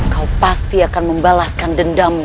kau pasti akan membalaskan dendammu